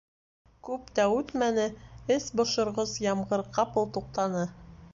Күп тә үтмәне, эс бошорғос ямғыр ҡапыл туҡтаны.